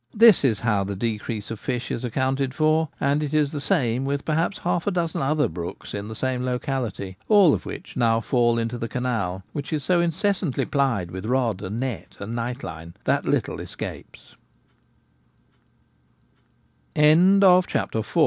This is how the decrease of fish is accounted for, and it is the same with perhaps half a dozen other brooks in the same locality, all of which now fall into the canal, which is so incessantly plied with rod and net and nightline that litt